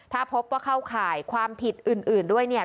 ถ้าพบว่าเข้าข่ายความผิดอื่นด้วยเนี่ย